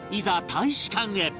大使館へ